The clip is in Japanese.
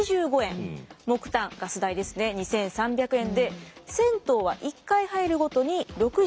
木炭ガス代ですね２，３００円で銭湯は１回入るごとに６５円。